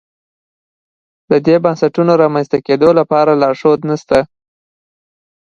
د دې بنسټونو رامنځته کېدو لپاره لارښود نه شته.